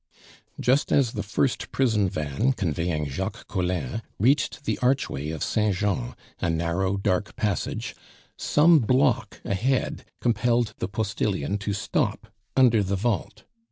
Just as the first prison van, conveying Jacques Collin, reached the archway of Saint Jean a narrow, dark passage, some block ahead compelled the postilion to stop under the vault.